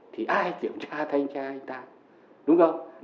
thì ai kiểm tra thanh tra anh ta đúng không